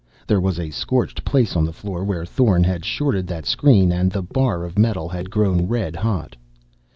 There was a scorched place on the floor where Thorn had shorted that screen and the bar of metal had grown red hot.